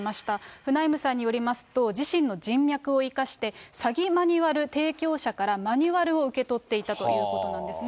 フナイムさんによりますと、自身の人脈を生かして、詐欺マニュアル提供者からマニュアルを受け取っていたということなんですね。